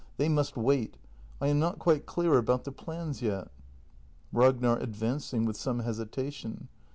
They must wait. I am not quite clear about the plans yet. Ragnar. [Advancing, with some hesitation.